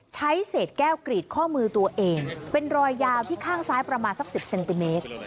ใช้เศษแก้วกรีดข้อมือตัวเองเป็นรอยยาวที่ข้างซ้ายประมาณสัก๑๐เซนติเมตร